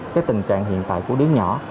cái tình trạng hiện tại của đứa nhỏ